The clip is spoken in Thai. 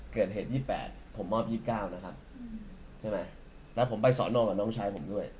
เกิดเหตุ๒๘ผมมอบ๒๙นะครับใช่ไหมแล้วผมไปสอนองกับน้องชายผมด้วย